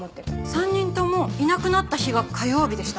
３人ともいなくなった日が火曜日でした。